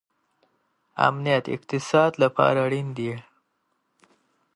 امنیت د اقتصاد لپاره اړین دی.